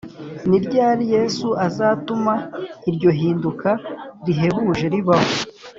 Ni ryari Yesu azatuma iryo hinduka rihebuje ribaho